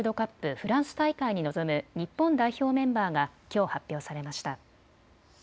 フランス大会に臨む日本代表メンバーがきょう発表されました。